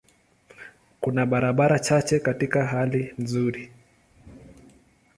Kuna barabara chache katika hali nzuri.